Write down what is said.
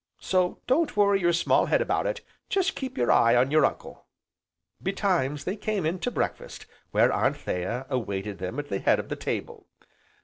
So, don't worry your small head about it, just keep your eye on your uncle." Betimes they came in to breakfast where Anthea awaited them at the head of the table.